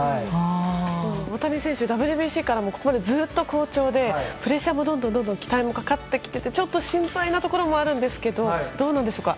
大谷選手、ＷＢＣからここまでずっと好調でプレッシャーも期待もかかっていてちょっと心配なところもあるんですけどどうなんでしょうか。